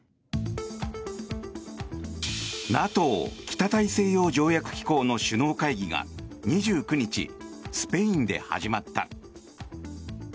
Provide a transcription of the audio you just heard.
ＮＡＴＯ・北大西洋条約機構の首脳会議が２９日、スペインで始まった。